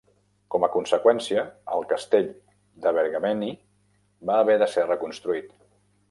Com a conseqüència, el castell d'Abergavenny va haver de ser reconstruït.